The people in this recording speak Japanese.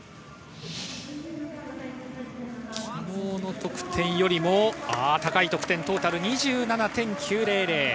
昨日の得点よりも高い得点トータル２７．９００。